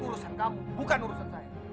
urusan kamu bukan urusan saya